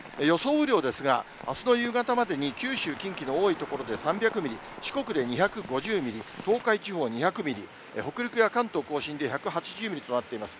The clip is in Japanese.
雨量ですが、あすの夕方までに、九州、近畿の多い所で３００ミリ、四国で２５０ミリ、東海地方２００ミリ、北陸や関東甲信で１８０ミリとなっています。